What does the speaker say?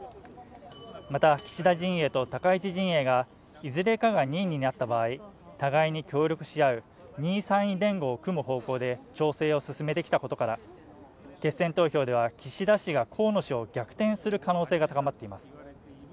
また岸田陣営と高橋陣営がいずれかが２位になった場合互いに協力し合う２位３位連合を組む方向で調整を進めてきたことから決選投票では岸田氏が河野氏を逆転する可能性が高まっています